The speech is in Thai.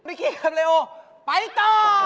ไม่เคยคำเลยโอไปต่อ